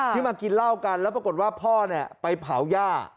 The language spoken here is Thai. มากินเหล้ากันแล้วปรากฏว่าพ่อไปเผาหญ้า